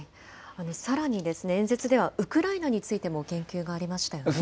さらに演説ではウクライナについても言及がありましたよね。